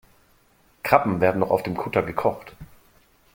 Krabben werden noch auf dem Kutter gekocht.